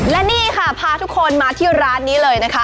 และนี่ค่ะพาทุกคนมาที่ร้านนี้เลยนะคะ